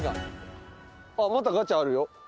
あっまたガチャあるよ。